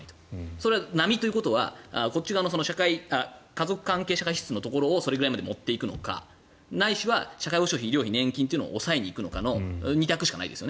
それは並みということはこっち側の家族関係社会支出のところをそれぐらいまで持っていくのかないしは社会保障費、医療費年金を抑えに行くかの２択しかない。